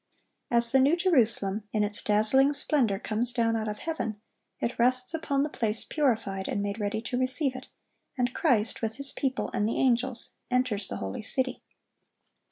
(1157) As the New Jerusalem, in its dazzling splendor, comes down out of heaven, it rests upon the place purified and made ready to receive it, and Christ, with His people and the angels, enters the holy city.